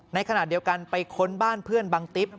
ในขณะเดียวกันไปค้นบ้านเพื่อนบังติ๊บ